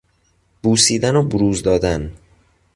بوسیدن و بروز دادن